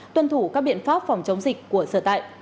tuân thủ các biện pháp phòng chống dịch của sở tại